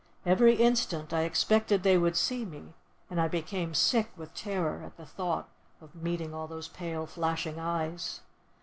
Every instant I expected they would see me, and I became sick with terror at the thought of meeting all those pale, flashing eyes.